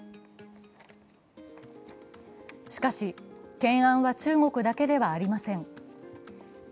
しかし懸案は中国だけではありません。